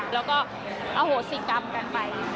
แล้วก็อโหสิกรรมกันไป